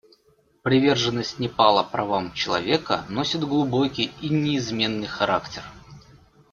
Приверженность Непала правам человека носит глубокий и неизменный характер.